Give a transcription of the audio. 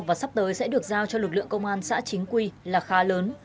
và sắp tới sẽ được giao cho lực lượng công an xã chính quy là khá lớn